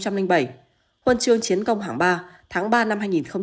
huân chương chiến công hạng ba tháng ba năm hai nghìn bảy